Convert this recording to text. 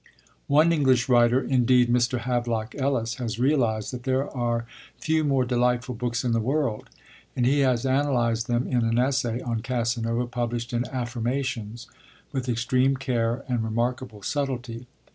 One English writer, indeed, Mr. Havelock Ellis, has realised that 'there are few more delightful books in the world,' and he has analysed them in an essay on Casanova, published in Affirmations, with extreme care and remarkable subtlety.